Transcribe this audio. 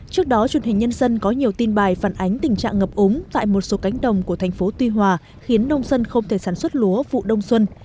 trước đó truyền hình nhân dân có nhiều tin bài phản ánh tình trạng ngập ống tại một số cánh đồng của thành phố tuy hòa khiến nông dân không thể sản xuất lúa vụ đông xuân